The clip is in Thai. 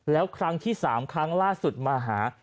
แล้วครั้งที่๓ครั้งล่าสุดมาหา